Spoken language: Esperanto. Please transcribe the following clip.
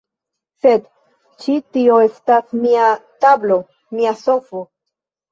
Sed ĉi tio estas mia tablo; mia sofo